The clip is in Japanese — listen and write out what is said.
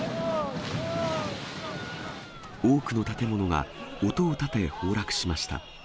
多くの建物が音を立て、崩落しました。